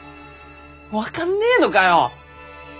分かんねえのかよ。